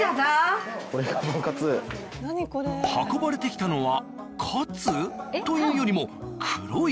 運ばれてきたのはカツというよりも黒いパン？